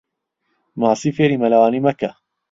ماسی فێری مەلەوانی مەکە.